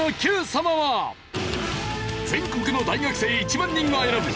全国の大学生１万人が選ぶ！